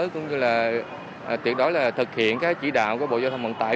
cũng như là thực hiện chỉ đạo của bộ giao thông vận tải